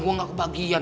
gue gak kebagian